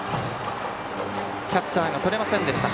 キャッチャーがとれませんでした。